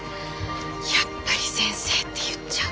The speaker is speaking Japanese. やっぱり先生って言っちゃう。